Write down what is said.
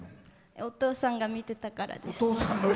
お父さんが見てたからです。